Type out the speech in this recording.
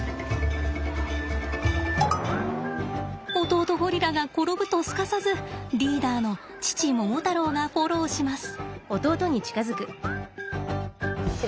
弟ゴリラが転ぶとすかさずリーダーの父モモタロウがフォローします。